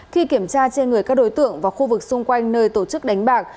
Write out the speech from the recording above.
khi kiểm tra trên người các đối tượng và khu vực xung quanh nơi tổ chức đánh bạc